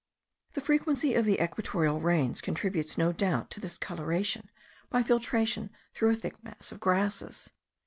The frequency of the equatorial rains contributes no doubt to this coloration by filtration through a thick mass of grasses.